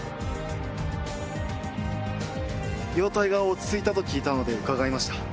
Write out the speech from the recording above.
容体が落ち着いたと聞いたので伺いました。